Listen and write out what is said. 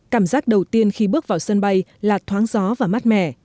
cảm giác đầu tiên khi bước vào sân bay là thoáng gió và mát mẻ